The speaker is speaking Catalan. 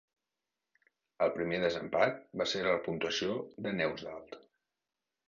El primer desempat va ser la puntuació de Neustadtl.